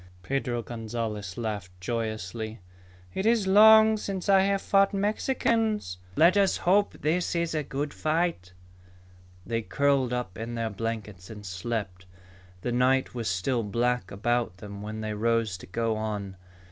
Pedro Gonzalez laughed joyously. "It is long since I have fought Mexicans. Let us hope this is a good fight." They curled up in their blankets and slept. The night was still black about them when they rose to go on.